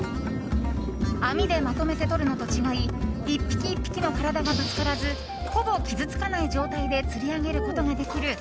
網でまとめてとるのと違い１匹１匹の体がぶつからずほぼ傷つかない状態で釣り上げることができる